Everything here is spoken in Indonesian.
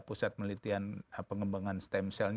pusat penelitian pengembangan stem cell